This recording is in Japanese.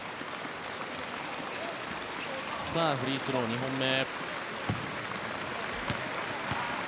フリースロー、２本目。